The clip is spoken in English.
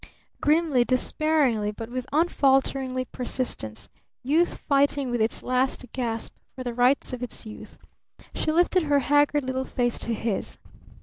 Grimly, despairingly, but with unfaltering persistence Youth fighting with its last gasp for the rights of its Youth she lifted her haggard little face to his.